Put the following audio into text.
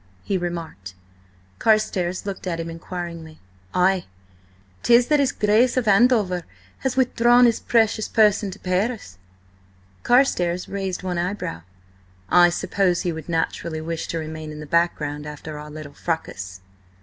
he remarked. Carstares looked at him inquiringly. "Ay. 'Tis that his Grace of Andover has withdrawn his precious person to Paris." Carstares raised one eyebrow. "I suppose he would naturally wish to remain in the background after our little fracas."